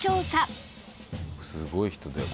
すごい人だよ